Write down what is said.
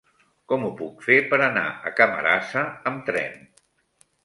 Com ho puc fer per anar a Camarasa amb tren?